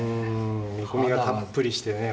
見込みがたっぷりしてね